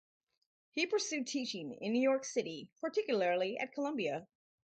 He pursued teaching in New York City, particularly at Columbia.